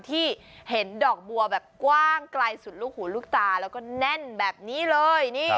ที่เห็นดอกบัวแบบกว้างไกลสุดลูกหูลูกตาแล้วก็แน่นแบบนี้เลย